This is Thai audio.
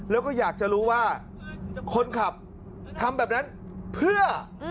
แล้วก็อยากจะรู้ว่าคนขับทำแบบนั้นเพื่อ